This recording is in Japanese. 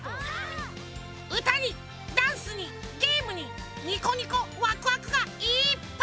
うたにダンスにゲームにニコニコワクワクがいっぱい！